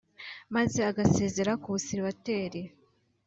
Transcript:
maze agasezera ku busulibatere